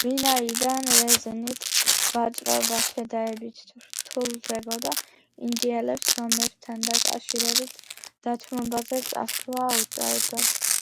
ვინაიდან რეზინით ვაჭრობა შედარებით რთულდებოდა, ინდიელებს ომებთან დაკავშირებით დათმობაზე წასვლა უწევდათ.